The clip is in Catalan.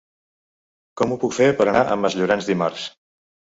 Com ho puc fer per anar a Masllorenç dimarts?